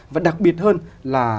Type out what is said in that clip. và đặc biệt hơn là